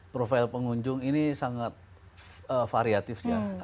profile pengunjung ini sangat variatif